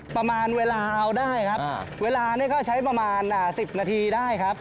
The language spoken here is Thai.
ประมาณเวลาเอาได้ครับเวลานี่ก็ใช้ประมาณ๑๐นาทีได้ครับ